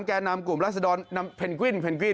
๓แก่นำกลุ่มรัศดรนนำเพนกวิน